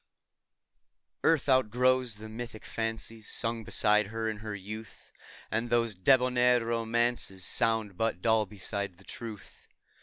ARTH outgrows the mythic fancies Sung beside her in her youth ; And those debonair romances Sound but dull beside the truth.